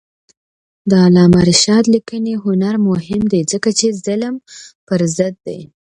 د علامه رشاد لیکنی هنر مهم دی ځکه چې ظلم پر ضد دی.